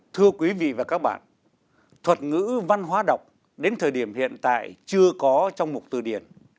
thưa quý vị và các bạn thuật ngữ văn hóa đọc đến thời điểm hiện tại chưa có trong mục từ điển